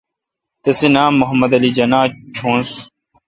تسی نام محمد علی جناح چونس۔